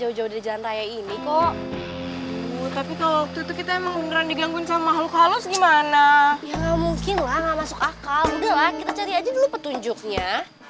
udah lah kita cari aja dulu petunjuknya